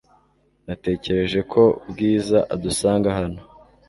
Natekereje ko Bwiza adusanga hano .